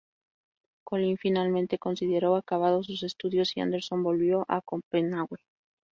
Collin finalmente consideró acabados sus estudios y Andersen volvió a Copenhague.